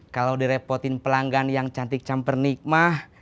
kalau direpotin pelanggan yang cantik camper nikmah